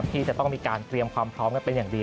ที่จะต้องมีการเตรียมความพร้อมกันเป็นอย่างดี